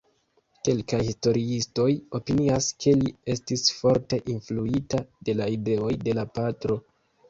Kelkaj historiistoj opinias, ke li estis forte influita de la ideoj de la patro.